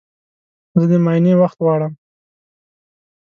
زه د معاینې وخت غواړم.